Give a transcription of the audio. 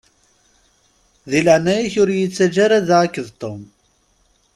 Di leɛnaya-k ur yi-ttaǧǧa ara da akked Tom.